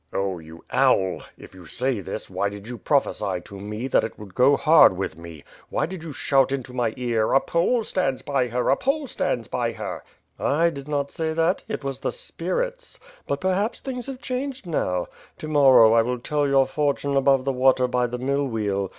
'' "Oh, you owl! If you say this, why did you prophecy to me that it would go hard with me? Why did you shout into my ear ^a Pole stands bv her! a Pole stands by her?' " "I did not say that; it was the spirits. But perhaps thingB WITH FIRE AND SWORD. 429 have changed now. To morrow, I will tell your fortune above the water by the millwheel.